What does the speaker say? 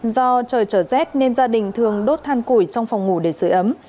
do trời trở rét nên gia đình thường đốt than củi trong phòng ngủ để sửa ấm